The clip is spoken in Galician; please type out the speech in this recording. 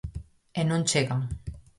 E non chegan.